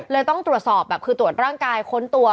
ต้องตรวจสอบแบบคือตรวจร่างกายค้นตัว